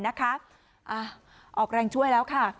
ออกแรงช่วยแล้วค่ะ